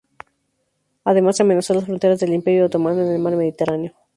Además amenazó las fronteras del Imperio otomano en el mar Mediterráneo.